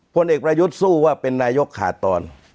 พลเอกประยุทธ์สู้ว่าเป็นนายกขาดตอน